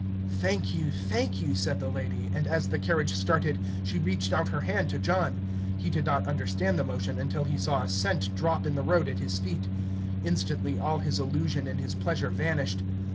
"Thank you, thank you," said the lady; and as the carriage started, she reached out her hand to John. He did not understand the motion, until he saw a cent drop in the road at his feet. Instantly all his illusion and his pleasure vanished.